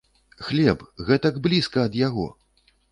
Хлеб, гэтак блізка ад яго!